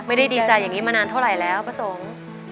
ดีใจอย่างนี้มานานเท่าไหร่แล้วพระสงฆ์